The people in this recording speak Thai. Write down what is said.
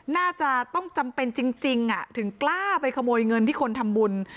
น่าจะต้องจำเป็นจริงถึงกล้าไปขโมยเงินที่คนทำบุญ